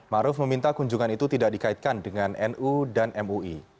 maruf meminta kunjungan itu tidak dikaitkan dengan nu dan mui